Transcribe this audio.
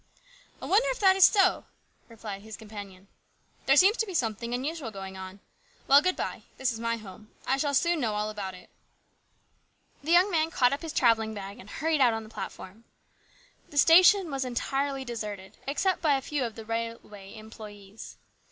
I wonder if that is so ?" replied his companion. " There seems to be something unusual going on. Well, good bye. This is my home. I shall soon know all about it.'' The young man caught up his travelling bag and hurried out upon the platform. The station was entirely deserted, except by a few of the railway employes.